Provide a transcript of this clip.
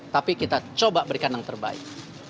tapi kita coba berikan yang terbaik